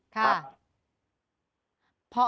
ครับ